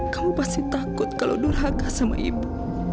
kamu pasti takut kalau durhaka sama ibu